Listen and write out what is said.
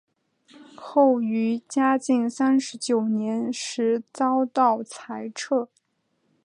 后于嘉靖三十九年时遭到裁撤。